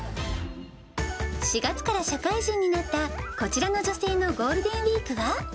４月から社会人になったこちらの女性のゴールデンウィークは？